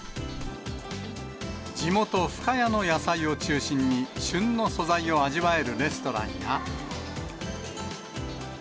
地元、深谷の野菜を中心に、旬の素材を味わえるレストランや。